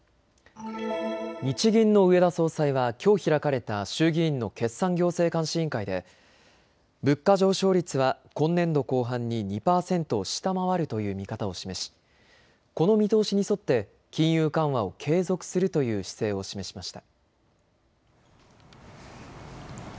日銀の植田総裁はきょう開かれた衆議院の決算行政監視委員会で物価上昇率は今年度後半に２％を下回るという見方を示しこの見通しに沿って金融緩和を継続するという姿勢を示しました。